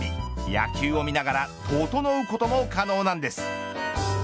野球を見ながら整うことも可能なんです。